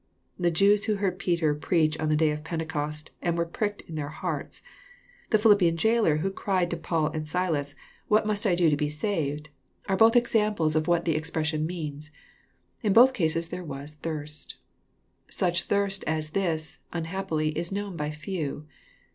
The Jefws who heard Peter preach on the day of Pentecostj^ncrwere "pricked in their hearts," — the Phi lippian jailer who cried to Paul and Silas, " What must I / 40 EXPOsrroRT rnouGnrs. do to be saved ?" are both examples of what the expression means. In both eases there was '' thirst." Such thirst as this, unhappily, is known by few.